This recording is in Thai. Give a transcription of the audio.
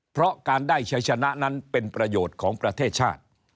เพราะการได้ชัยชนะนั้นเป็นประโยชน์ของประเทศชาติ